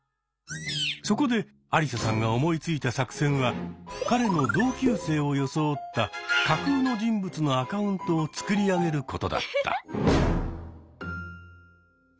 そこでアリサさんが思いついた作戦は彼の同級生を装った架空の人物のアカウントを作り上げることだった。